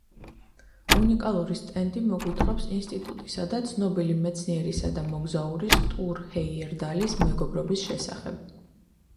უნიკალური სტენდი მოგვითხრობს ინსტიტუტისა და ცნობილი მეცნიერისა და მოგზაურის ტურ ჰეიერდალის მეგობრობის შესახებ.